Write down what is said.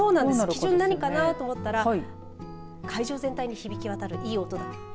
基準何かなと思ったら会場全体に響きわたるいい音だ。